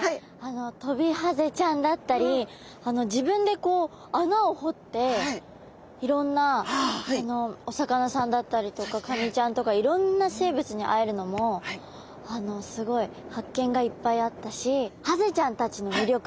トビハゼちゃんだったり自分でこう穴を掘っていろんなお魚さんだったりとかカニちゃんとかいろんな生物に会えるのもすごい発見がいっぱいあったしハゼちゃんたちの魅力ってすごいいっぱい詰まってるんだなと思って。